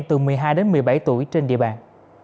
từ một mươi hai đến một mươi bảy tuổi trên địa bàn